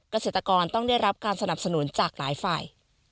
เกษตรกรต้องได้รับการสนับสนุนจากหลายฝ่าย